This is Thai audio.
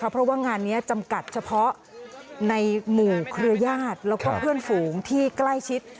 เพราะว่างานนี้จำกัดเฉพาะในหมู่เครือญาติแล้วก็เพื่อนฝูงที่ใกล้ชิด